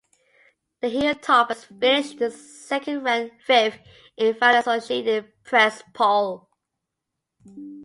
The Hilltoppers finished the season ranked fifth in final Associated Press poll.